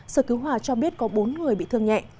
sở cứu hòa cho biết có bốn người bị thương nhẹ